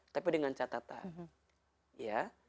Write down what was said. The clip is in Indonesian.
tapi dengan catatan